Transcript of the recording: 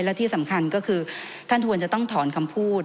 และที่สำคัญก็คือท่านควรจะต้องถอนคำพูด